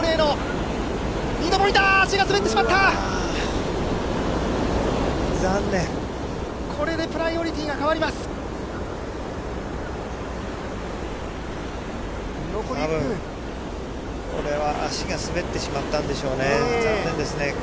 これは足が滑ってしまったんでしょうね、残念ですね。